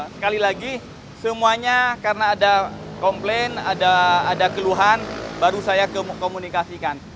sekali lagi semuanya karena ada komplain ada keluhan baru saya komunikasikan